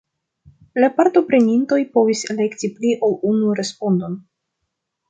La partoprenintoj povis elekti pli ol unu respondon.